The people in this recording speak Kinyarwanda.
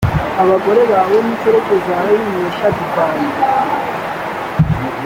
abagore bawe n’ inshoreke zawe mubinywesha divayi